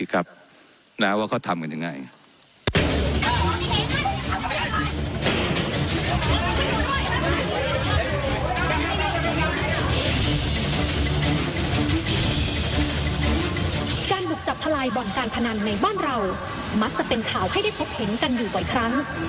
การบุกจับทะลายบ่อนการพนันในบ้านเรามักจะเป็นข่าวให้ได้พบเห็นกันอยู่บ่อยครั้ง